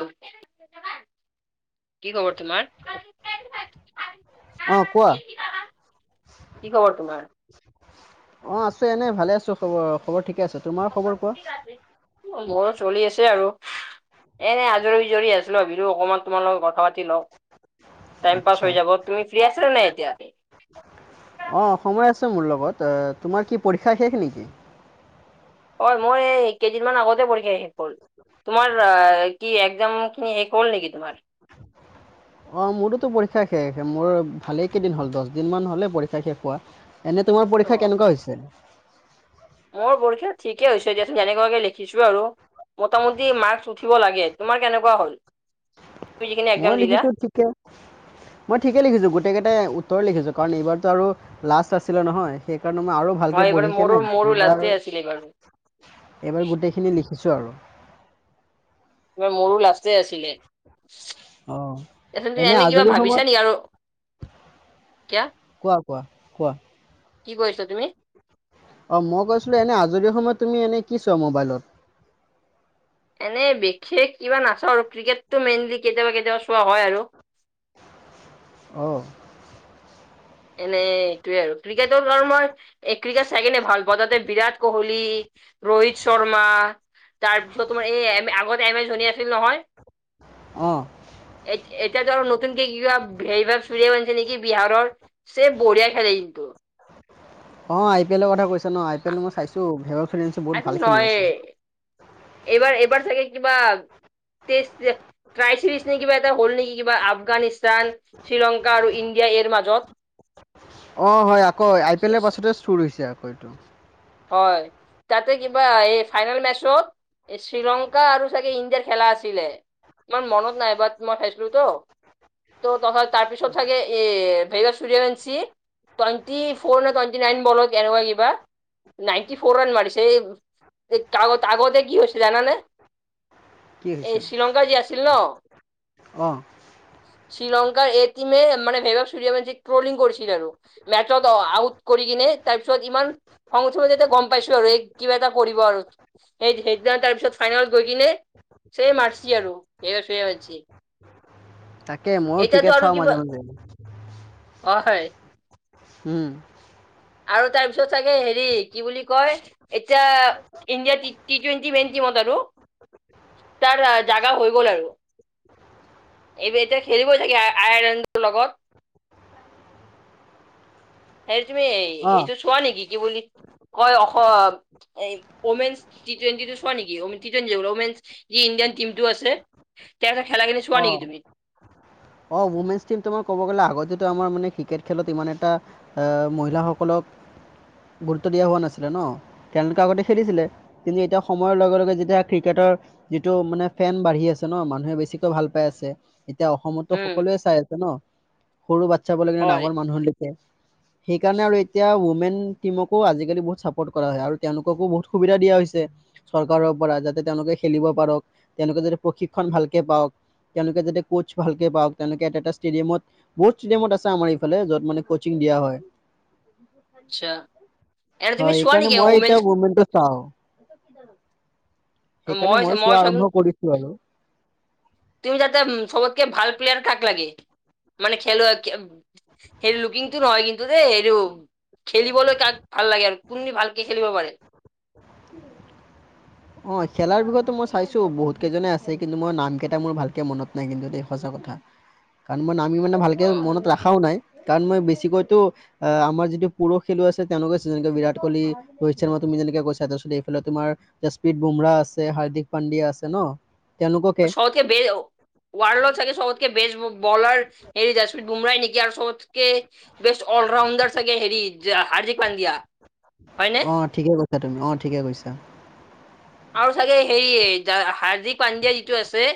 [unintelligible] কি খবৰ তোমাৰ। অ কোৱা কি খবৰ তোমাৰ? অ আছো এনে ভালে আছো আৰু খবৰ খবৰ ঠিক। মোৰো চলি আছে। আৰু এনে আজৰি বিজৰি আছিলোবিলো অকণমান তোমাৰ লগত কথা পাতি লওঁ। টাইম পাছ আচ্ছা হৈ যাব তুমি ফ্ৰী আছা নে এতিয়া অ সময় আছে মোৰ লগত তোমাৰ কি পৰীক্ষা শেষ নিকি। অ মোৰ এই কেইদিনমান আগতে পৰীক্ষা শেখ হ'ল। তোমাৰ কি এক্জাম খিনি হ'ল নেকি তোমাৰ? অঁ মোৰোতো পৰীক্ষা শেষ মোৰ ভালেই কেইদিন হ'ল দহদিনমান হ'লেই পৰীক্ষা শেষ হোৱা। এনে তোমাৰ অ পৰীক্ষা কেনেকুৱা হৈছে। মোৰ পৰীক্ষা ঠিকে হৈছে এতিয়া এনেকুৱাকে লিখিছো আৰু মোটামুটি মাক্কচ উঠিব লাগে তোমাৰ কেনেকুৱা হ'ল? তুমি যিখিনি মই একজাম দিলা? লিখিছো ঠিকে। মই ঠিকে লিখিছো গোটেই কেইটাই উত্তৰ লিখিছো। কাৰণ এইবাৰতো আৰু লাষ্ট আছিলে নহয় সেই। কাৰণে মই আৰু হয় ভালকে এইবাৰ পঢ়ি কে মোৰো নাই মোৰো এইবাৰ লাষ্টে আছিলে এইবাৰ এইবাৰ গোটেইখিনি লিখ দিছো আৰু তোমাৰ মোৰো লাষ্টে আছিলে। অ আচ তু এনে কিবা আজৰি সময়ত ভাবিছা নেকি আৰু কিয়া কোৱা কোৱা কোৱা। কি কৰিছ তুমি? অ মই কৈছিলো এনে আজৰি সময়ত তুমি এনে কি চোৱা মোবাইলত। এনেই বিশেষ কিবা নাচাওঁ আৰু ক্ৰিকেটো মেইনলি কেতিয়াবা কেতিয়াবা চোৱা হয় আৰু। [inaudible] অ। এনেই এইটোৱে আৰু ক্ৰিকেটৰ কাৰণ মই ক্ৰিকেট চাই কিনে ভাল পাওঁ তাতে বিৰাট কোহলি, ৰোহিত শৰ্মা। তাৰ পিছত তোমাৰ এই আগত এম এচ ধনী আছিল নহয়। অ এতিয়া ধৰ নতুনকে কিবা বেভবচুৰিয়াবনচি মিছে নেকি বিহাৰৰ স বঢ়িয়া খেলে কিন্তু অ আই পি এলৰ কথা কৈছা ন আই পি এল মই চাইছো বেভবচুৰিয়াবনচি চাইছো আই বহুত থিংক ভাল খেলি নহয় আছে। এইবাৰ এবাৰ চাগাকে কিবাাই টেষ্ট ট্ৰাই চিজ কিবা এটা হ'ল নেকি কিবা আফগানিস্তান শ্ৰীলংকা আৰু ইণ্ডিয়া এৰ মাজত। [unintelligible] অ হয় আকৌ আই পি এলৰ পাছতে চুৰ হৈছে আকৌ এইটো হয়। তাতে কিবা এই ফাইনেল মেচত শ্ৰীলংকা আৰু চাগে ইণ্ডিয়াৰ খেলা আছিলে। ইমান মনত নাইবাট মই খাইছিলো তো ত'চছত তাৰ পিছত চাকে এই বেভবচূৰিয়াবনচিও চে টোৱানটিফৰ নে টুৱেন্টিনাইন এনেকুৱা বলত কিবা। নাইন্টি ফ'ৰ ৰন মাৰিছে আগতে কিছে জান নে। কি এই হৈছিল শ্ৰীলংকা যি আছিল ন অঁ শ্ৰীলংকাৰ এই টীমে মান বেভাৱ চুৰিবনচিক মানে স্কলিং কৰিছিল আৰু মেচত আউট। কৰি কিনে তাৰ পিছত ইমান খঙ চত যেতিয়া গম পাইছো। আৰু এই কিবা এটা কৰিব আৰু সেই সেইদিনা তাৰপিছত ফাইনেলত গৈ কিনে। চে মাৰিচ আৰু বেভবচুৰিয়াবনচি। তাকে ময়ো ক্ৰিকেট চাওঁ মাজে মাজে। অ হয়। উম। আৰু তাৰ পিছত চাগে হেৰি কি বুলি কয় এতিয়া ইণ্ডিয়াৰ টি টুৱেন্টি মেইন টিমত আৰু তাৰ জাগা হৈ গ'ল আৰু। এইব এতিয়া খেলিবই থাগে আয়াৰলেণ্ডৰ লগত। হে তুগথমি অঁ এইটো চোৱা নেকি কি বুলি কয় অ অমেনচ ট টুৱেণ্টিটো চোৱা নেকিে টি টুৱেণ্টি মেন য ইডিয়ান টিমটো আছে। তেওঁ লোকে খেলাখিনি চোৱা নেকি তুমি? অ উমেনছ টিম তোমাৰ ক'ব গ'লে আগত যটো আমাৰ মানে ক্ৰিকেট খেলত ইমান এটা মহিলাসকলক [unintelligible] গুৰুত্ব দিয়া হোৱা নাছিলে। ন তেওঁলোকে আগতে খেলিছিলে কিন্তু এতিয়া সময়ৰ লগে লগে যেতিয়া ক্ৰিকেটৰ যিটো মানে ফেন বাঢ়ি আছে ন মানুহে বেছিকৈ ভাল পাই আছে এতিয়া অসমত উম সকলোৱে চাই আছে ন সৰু বা্ চাব লাগ হয় ডাঙৰ মানুহকে সেইকাৰণে আৰু এতিয়া উমেন। টীমকো আজিকালি বহুত চাপত কৰা হয়। আৰু তেওঁলোককো বহুত সুবিধা দিয়া হৈছে চৰকাৰৰ পৰা যাতে খেলিব পাৰক তেওঁলোকে য প্ৰশিক্ষণ ভালকে পাক তেওঁলোকে যদি কোচ ভাল পাওক তেনেকে এটা এটা ষ্টেডিয়ামত বহুত ষ্টেডিয়ামত আছে। আমাৰ ইফালে য'ত মানে কচিং দিয়া হয়। আচ্ছা এনে তুমি হয়, চোৱা এইকাৰণে নেকি মই এতিয়া ওমেনছ মমেণ্টো চাওঁ সেইকাৰণে মই ময়ো মই চোৱা চ আৰম্ভ কৰিছো আৰু। তুমি যাতে চবতকে ভাল। পিলিয়াৰ কাক লাগে মানে খেলুৱ হে লুকিংটো নহয় কিন্তু দেই হে খেলিবলৈ কাক ভাল লাগে। আৰু কোনদি ভালকে খেলিব পাৰে। অ খেলাৰ বিষয়েো মই চাইছো বহুত ছে কিন্তু মই নাম কেইটা মোৰ ভালকে মনত নাই কিন্তু সজা কথা কাৰণ মই ন তুমি মানে ভালকৈ অ মনত ৰখাও নাই কাৰণ মই বেছিকৈতো আমাৰ যিটো পুৰষ খেলুৱ আছে তেওঁলোকেহে যেনেকে বিৰাট কোহলি, ৰোহিত শৰ্মা তুমি যেনেকে কৈছা। এইফালে তোমাৰ যাচপ্ৰীত বুমৰাহ আছে হাৰ্দিক পাণ্ডিয়া আছে ন। তেওঁলোককে শদ বে ৱাৰল থে শত কে বেষ্ট বলাৰ হেৰি জিন বুমৰাই নেকি আৰু চতক ব্যস্ত অলৰাউণ্ডাৰ চাগে হেৰি হাৰ্দিক পানদিয়া হয়নে? অ ঠিকে কৈছা তুমি অ ঠিকে কৈছা। আৰু চাগে হেৰি হাৰ্দিক পাণ্ডিয়া যিটো আছে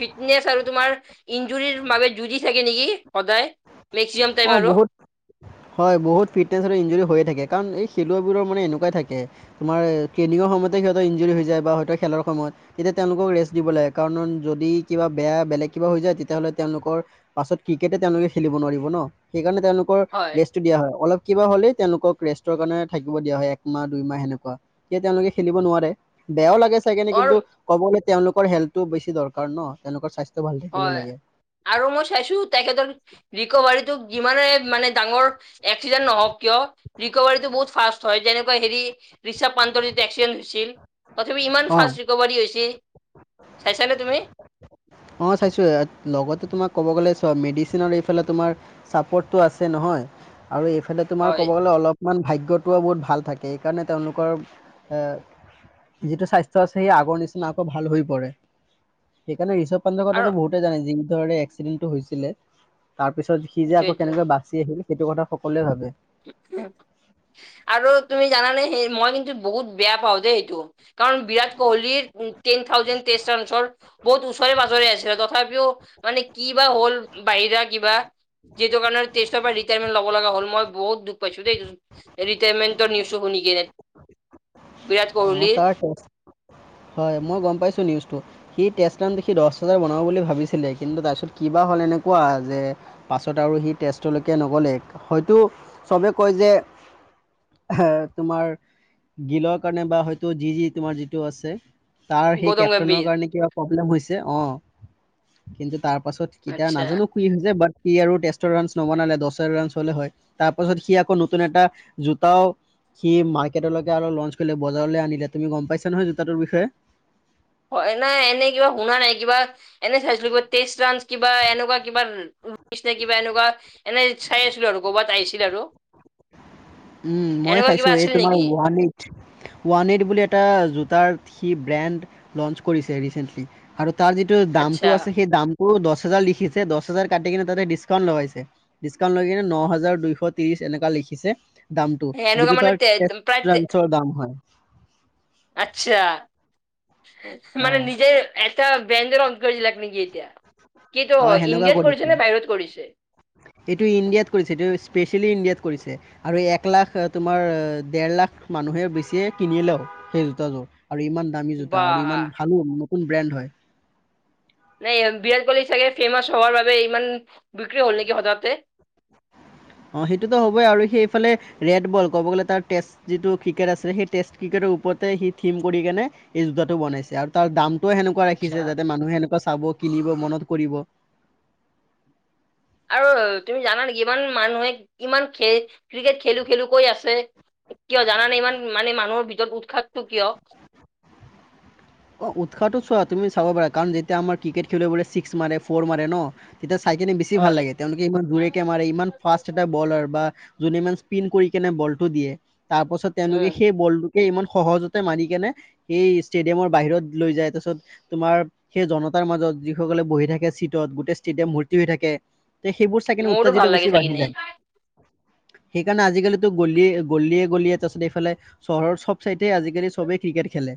ফিটনেচ আৰু তোমাৰ। ইঞ্জুৰিৰ মাজত যুঁজি থাকে নেকি? সদায় মেক্সিমাম টাইম অ আৰু বহুত হয় বহুত ফিটনেছ আৰু ইনঞ্জীৰ হৈ। থাকে কাৰণ এই খেলুৱবোৰৰ মানে এনেকুৱাই থাকে তোমাৰ ট্ৰেইনিঙৰ সময়তে সিহঁত ইঞ্জুৰি হৈ যায় বা হয়ত খেলৰ সময়ত তেতিয়া তেওঁলোকক ৰেষ্ট দিব লাগে। কাৰণ যদি কিবা বেয়া বেলেগ কিবা হৈ যায়। তেতিয়াহ'লে তেওঁলোকৰ পাছত ক্ৰিকেটে তেওঁলোকে খেলিব নোৱাৰিব ন সেইকাৰণে তেওঁলোকৰ হয় ৰেষ্টটো দিয়া হয় অলপ কিবা হ'লেই তেওঁলোকক ৰেষ্টৰ কাৰণে থাকিব দিয়া হয় একমাহ দুই মাহ সেনেকুৱা তে তেওঁলোকে খেলিব নোৱাৰে। বেয়াও লাগে চাই কেনে আৰু কিন্তু ক'ব গ'লে তেওঁলোকৰ হেল্থো বেছি দৰকাৰ ন তেওঁলোকৰ স্বাস্থ্য ভাল থাকিব হয় লাগে আৰু মই চাইছো তাইক ধৰ ৰিকভাৰীটো যিমানে মানে ডাঙৰ এক্সিডেণ্ট নহওঁক কিয় ৰিকভাৰীটো বহুত ফাৰ্ষ্ট হয় তেনেকুৱা হেৰি ৰিচবপন্থৰ যে এক্সিডেণ্ট হৈছিল। তথাপি ইমান অঁ ফাষ্ট ৰিকভাৰী হৈছে চাইছানে তুমি। অঁ চাইছোঁ লগতে তোমাক ক'ব গ'লে চোৱা মেডিচিনৰ এইফালে তোমাৰ চাপৰ্টটো আছে নহয়। আৰু এইফালে তোমাৰ ক'ব হয় গ'লে অলপ ইমান ভাগ্যটোও বহুত ভাল থাকে সেইকাৰণে তেওঁলোকৰ এ যিটো স্বাস্থ্য আছে সেই আগৰ নিচিনা আকৌ ভাল হৈ পৰে, সেইকাৰণে ঋষভ [unintelligible] কথাটো আৰু বহুতে জানে যি ধৰনে এক্সিডেণ্টটো হৈছিলে। তাৰ পিছত সি যে আকৌ কেনেকৈ সেইটোৱেইটো বাচি আহিল সেইটো কথা সকলোৱে ভাবে। আৰু তুমি জানানে সি মই কিন্তু বহুত বেয়া পাওঁ দেই এইটো কাৰণ বিৰাট কোহলিৰ টেন থাউজেনড টেষ্ট ৰানচৰ বহুত ওচৰে পাজৰে আছিলে, তথাপিও মানে কি বা হ'ল বাহিৰা কিবা। যিটো কাৰনে টেষ্টৰ পৰা ৰিটায়াৰমেট ল'ব লগা হ'ল মই বহুত দুখ পাইছো দেই ৰিটায়াৰমেন্টৰ নিউজটো শুনি কিনে। বিৰাট অঁ ক'হলি। তাৰ হয়, মই গম পাইছো নিউজটো, সি টেষ্ট ৰান দেখি দছ হাজাৰ বনাব বুলি ভাবিছিলে কিন্তু তাৰপিছত কিবা হ'ল এনেকুৱা যে পাছত আৰু সি তেষ্টোলৈকে নগ'লে হয়তো চবে কয় যে [inaudible] এ তোমাৰ গিলৰ কাৰণে বা হয়তো যি-যি তোমাৰ যিটো আছে। তাৰ সেই গৌতম কেপ্তনৰ গম্ভীৰ কাৰণে কিবা প্ৰব্লেম হৈছে অ' কিন্তু তাৰ পাছত কেতিয়া আচ্ছা নাজানো কি হৈছে বাট সি আৰু তেষ্টৰ ৰানচ নবনালে দচৰ ৰানচ হ'লে হয় তাৰ পাছত সি আকৌ নতুন এটা জোতাও সি মাৰ্কেটলৈকে অলপ লঞ্চ কৰিলে বজাৰলৈ আনিলে তুমি গম পাইছা নহয় জোতাটোৰ বিষয়ে। হয় নাই এনে কিবা শুনা নাই কিবা এনে চাইছিলো কিবা তেষ্ট ৰানছ কিবা এনেকুৱা কিবা [unintelligible] কিবা এনেকুৱা এনে চাই আছিলো আৰু ক'বাত আহিছিল আৰু। উম, মই এনেকুৱা কিবা চাইছো এই আছিল তোমাৰ নেকি ওৱান এইট। ওৱান এইট বুলি এটা জোতাৰ সি ব্ৰেণ্ড লঞ্চ কৰিছে ৰিচেণ্টলি আৰু তাৰ যিটো আচ্ছা দামটো আছে সেই দাম [unintelligible] দচ হাজাৰ লিখিছে দছ হাজাৰ কাটি কিনে তাতে ডিছকাউণ্ট লগাইছে, ডিছকাউণ্ট লৈ কিনে ন হাজাৰ দুইশ ত্ৰিশ এনেকা লিখ লিখিছে দামটো এনেকুৱা যিটো মানে তাৰ তে টেষ্ট প্ৰায় ৰানচৰ দাম হয়। আচ্ছা। মানে অঁ নিজে এটা ব্যঞ্জ অধ কৰিছিল ন। [unintelligible] কি এতিয়া কি এটো অঁ হয় সেনেকুৱা ইণ্ডিয়াত কৰিছে নে কৰিছিলে বাহিৰত কৰিছে। এইটো ইণ্ডিয়াত কৰিছে এইটো স্পেচ খালি ইণ্ডিয়াত কৰিছে আৰু এক লাখ তোমাৰ ডেৰ লাখ মানুহে বেছিয়ে কিনিলেও। সেই জোতাযোৰ আৰু ইমান দামী জোতা বা আৰু ইমান ভালো নতুন ব্ৰেণ্ড হয়। নাই বিৰাট কোহলি চাগে ফেমাছ হোৱাৰ বাবে ইমান বিক্ৰী হ'ল নেকি হঠাতে। [inaudible] অ' সেইটোতো হ'বই আৰু সেইফালে ৰেড বল ক'ব গ'লে তাৰ টেষ্ট যিটো ক্ৰিকেট আছিলে সেই টেষ্ট ক্ৰিকেট ওপৰতে সি থিম কৰি কেনে এই জোতাটো বনাইছে আৰু তাৰ দাম টো সেনেকুৱা আচ্ছা ৰাখিছে যাতে মানুহে সেনেকুৱা চাব কিনিব মনত কৰিব। আৰু তুমি জানা নেকি ইমান মানুহে ইমান খে ক্ৰিকেট খেলো-খেলো কৈ আছে। কিয় জানা নে ইমান মানে মানুহৰ ভিতৰত উৎসাহটো কিয়। অ' উৎসাহটো চোৱা তুমি চাব পাৰা কাৰণ যেতিয়া আমাৰ ক্ৰিকেট খেলিব পাৰে ছিক্স মাৰে ফ'ৰ মাৰে ন তেতিয়া চাইকেনে বেছি ভাল হয়? লাগে তেওঁলোকে ইমান জোৰেকে কে মাৰে, ইমান ফাষ্ট এটা বলাৰ বা যোনে মান স্পিন কৰি কেনে বলটো দিয়ে তাৰ পাছত তেওঁলোকে উম সেই বল ইমান সহজতে মাৰি কেনে সেই ষ্টেডিয়ামৰ বাহিৰত লৈ যায় তাৰপিছত তোমাৰ সেই জনতাৰ মাজত যিসকলে বহি থাকে চিটত গোটেই ষ্টেডিয়াম ভৰ [unintelligible] হৈ থাকে তে সেইবোৰ চাইকিনে মোৰো উত্তেজিত ভাল লাগে বেছি চাই বাঢ়ি কিনে যায়। সেইকাৰণে আজিকালিতো গলিয়ে গলিয়ে গলিয়ে তাৰপিছত এইফালে চহৰ চব [unintelligible] আজিকালি চবেই ক্ৰিকেট খেলে,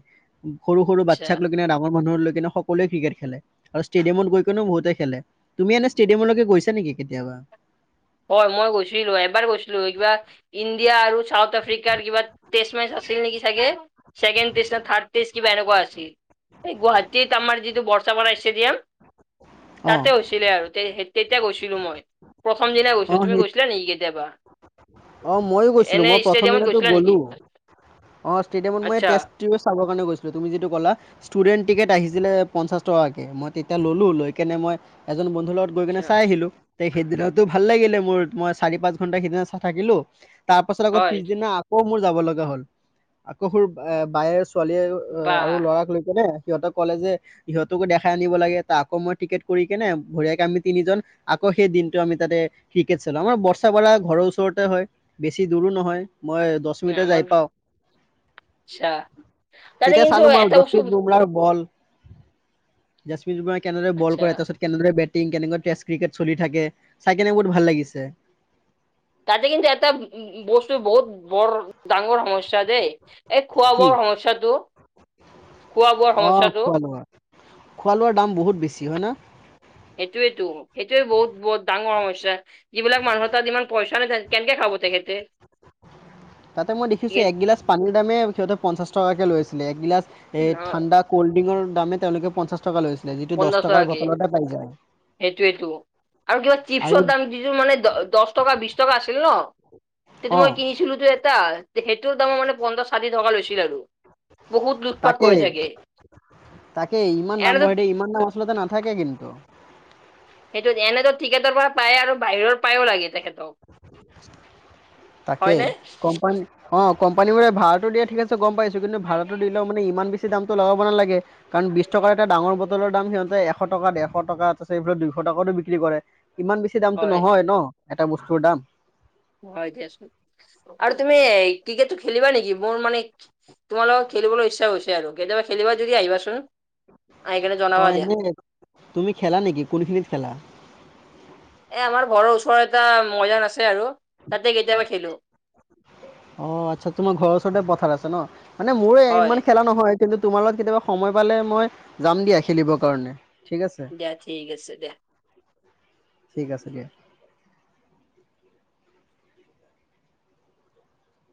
সৰু- সৰু আচ্ছা। বাচ্ছাক লৈ কিনে ডাঙৰ মানুহৰ লৈ কিন্তু সকলোৱে ক্ৰিকেট খেলে আৰু ষ্টেডিয়ামত গৈ কিনেও বহুতে খেলে তুমি এনে ষ্টেডিয়ামলৈকে গৈছা নেকি কেতিয়াবা। অ'। হয় মই গৈছিলো এবাৰ গৈছিলো কিবা ইণ্ডিয়া আৰু চাউথ আফ্ৰিকাৰ কিবা টেষ্ট মেচ আ ছিল নেকি চাগে চেকেণ্ড টেষ্ট নে থাৰ্ড টেষ্ট কিবা এনেকুৱা আছিল। এই গুৱাহাটীত আমাৰ যিটো বৰ্ষাপাৰা ষ্টেডিয়াম। অ তাতে হৈছিলে আৰু তেতিয়া গৈছিলো মই। প্ৰথমদিনা অ গৈছো, তুমি সেই গৈছিলা নেকি কেতিয়াবা? অ ময়ো গৈছিলো এনে মই প্ৰথম ষ্টেডিয়ামত দিনাতো গৈছিলা নেকি? গ'লো। অৱ ষ্টেডিয়ামত মই আচ্ছা টেষ্ট টিউএ চাব কাৰণে গৈছিলো তুমি যিটো কলা, ষ্টুডেণ্ট টিকট আহিছিলে পঞ্চাশ টকাকৈ মই তেতিয়া ললো লৈ কেনে মই এজন বন্ধু -ৰ লগত গৈ আচ্ছা কিনে চাই আহিলো। সেইদিনাতো ভাল লাগিলে মোৰ মই চাৰি পাঁচ ঘন্টা সিদিনা চাই থাকিলো। তাৰ পাছত আকৌ হয় পিছদিনা আকৌ মোৰ যাব লগা হ'ল আকৌ সোৰ বায়েচ ছোৱালীয়ে আৰু বাহ ল'ৰাক লৈকে নে। সিহঁতে ক'লে যে সিহঁতকো দেখাই আনিব লাগে ত আকৌ মই টিকেট কৰি কেনে বঢ়িয়াকে আমি তিনিজন আকৌ সেই দিনটো আমি তাতে ক্ৰিকেট চালো আমাৰ বৰ্ষাপাৰা ঘৰৰ ওচৰতে হয়, বেছি দূৰো নহয়। মই দহ নাই মিনিটত আমাৰ যাই পাওঁ। আচ্ছা তাতে তেতিয়া কিন্তু চালো মই এটা বস্তু [unintelligible] বমলাৰ বল জশপ্ৰীত বুমৰাই কেনেদৰে বল আচ্ছা কৰে, তাৰপিছত কেনেদৰে বেট -টিং কেনেকুৱা টেষ্ট ক্ৰিকেট চলি থাকে চাই কেনে বহুত ভাল লাগিছে। তাতে কিন্তু এটা বস্তু বহুত বৰ ডাঙৰ সমস্যা। দেই এই খোৱা কি বোৱা সমস্যাটো, খোৱা বোৱাৰ অ সমস্যাটো। খোৱা লোৱা খোৱা লোৱাৰ দাম বহুত বেছি হয় ন! সেইটোয়েতো সেইটোয়ে বহুত বহুত ডাঙৰ সমস্যা যিবিলাক মানুহ তাত ইমান পইচা নাই কেনেকে খাব! [unintelligible] তাতে মই দেখিছো একগিলাচ পানীৰ দামে সিহঁতে পঞ্চাশ টকাকে লৈ আছিলে একগিলাচ এই ঠাণ্ডা কল্ডড্ৰিংকৰ দামে তেওঁলোকে পঞ্চাশ টকা লৈছিলে যিটো দহ পঞ্চাশ টকাৰ টকাকে বটলতে পাই যায়। সেইটোয়েতো আৰু কিবা আৰু চিপছৰ দাম যিটো মানে দ দহ টকা বিশ টকা আছিল ন সেইটো অ মই কিনিছিলোতো এটা সেইটোৰ দামৰ মানে পঞ্চাশ ষাঠি টকা লৈছিল আৰু বহুত লুটপাত কৰি থাকে তাকে ইমান দাম এনেতো বঢ়াই দিয়ে ইমান দাম আচলতে নাথাকে কিন্তু সেইটো দি এনেতো টিকেটৰ পৰা পায়ে আৰু বাহিৰৰ পায়ো লাগে তেখেত তাকেই হয়নে কোম্পানী অ কোম্পানীবোৰে ভাড়াটো দিয়ে ঠিক আছে গম পাইছোঁ কিন্তু ভাড়াটো দিলেও মানে ইমান বেছি দামটো লগাব নালাগে কাৰণ বিশ টকাৰ এটা ডাঙৰ বটলৰ দাম সিহঁতে এশ টকা ডেৰশ টকা তাৰপাছত এইবোৰত দুশ টকাটো বিক্ৰী কৰে ইমান বেছি দামটো হয় নহয় ন এটা বস্তুৰ দাম হয় দিয়াচোন আৰু তুমি ক্ৰিকেটটো খেলিবা নেকি মোৰ মানে তোমাৰ লগত খেলিবলৈ ইচ্ছা গৈছে আৰু কেতিয়াবা খেলিবা যদি আহিবাচোন আহি কেনে অ জনাবা দিয়া এনেই তুমি খেলা নেকি কোনখিনিত খেলা এ আমাৰ ঘৰৰ ওচৰৰত এটা ময়দান আছে আৰু তাতে কেতিয়াবা খেলো অ আচ্ছা তোমাৰ ঘৰৰ ওচৰতে পথাৰ আছে ন মানে মোৰে হয় ইমান খেলা নহয় কিন্তু তোমাৰ লগত কেতিয়াবা সময় পালে মই যাম দিয়া খেলিবৰ কাৰণে ঠিক আছে দিয়া ঠিক আছে দে ঠিক আছে দিয়া